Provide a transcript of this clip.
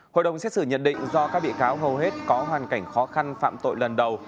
hội đồng xét xử nhận định do các bị cáo hầu hết có hoàn cảnh khó khăn phạm tội lần đầu